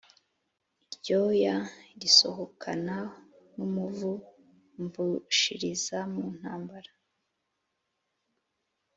iryoya risohokana n'umuvu mvushiriza mu ntambara.